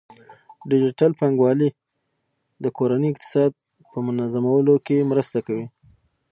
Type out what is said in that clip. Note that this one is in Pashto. ډیجیټل بانکوالي د کورنۍ اقتصاد په منظمولو کې مرسته کوي.